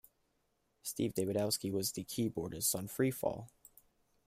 Steve Davidowski was the keyboardist on "Free Fall".